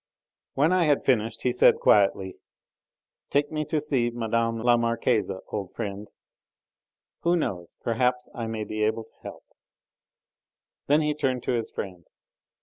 When I had finished he said quietly: "Take me to see Mme. la Marquise, old friend. Who knows? perhaps I may be able to help." Then he turned to his friend.